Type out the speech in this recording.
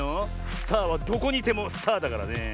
スターはどこにいてもスターだからねえ。